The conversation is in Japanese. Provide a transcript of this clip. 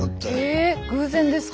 へ偶然ですか？